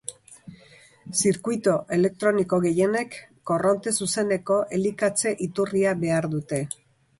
Zirkuitu elektroniko gehienek korronte zuzeneko elikatze-iturria behar dute.